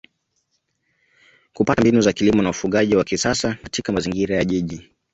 kupata mbinu za kilimo na ufugaji wa kisasa katika mazingira ya Jiji